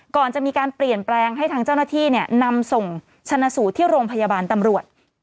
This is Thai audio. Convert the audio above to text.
ก่อนจะมีการเปลี่ยนแปลงให้ทางเจ้าหน้าที่นำส่งชนะสูตรที่โรงพยาบาลตำรวจ